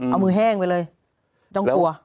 เอามือแห้งไปเลยต้องกลัว